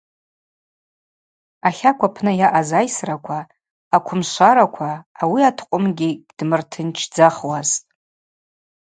Ахакв апны йаъаз айсраква, аквымшвараква ауи аткъвымгьи гьдмыртынчдзахуазтӏ.